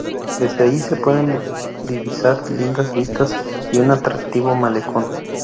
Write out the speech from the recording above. Desde allí se pueden divisar lindas vistas y un atractivo Malecón.